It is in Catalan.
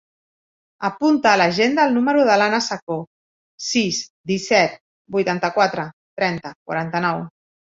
Apunta a l'agenda el número de l'Ana Saco: sis, disset, vuitanta-quatre, trenta, quaranta-nou.